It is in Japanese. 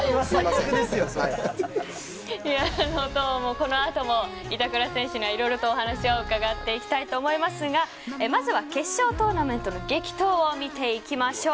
このあとも板倉選手にはいろいろとお話を伺っていきたいと思いますがまずは決勝トーナメントの激闘を見ていきましょう。